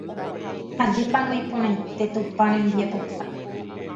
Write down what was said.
Ajépango iporãite Tupã rembiapokue